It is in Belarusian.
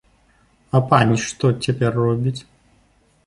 А паніч што цяпер робіць?